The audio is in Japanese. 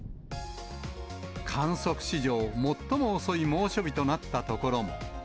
観測史上最も遅い猛暑日となった所も。